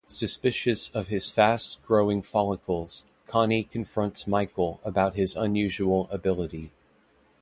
Suspicious of his fast growing follicles, Connie confronts Michael about his unusual ability.